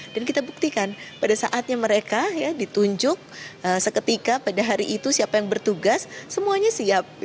dan kita buktikan pada saatnya mereka ya ditunjuk seketika pada hari itu siapa yang bertugas semuanya siap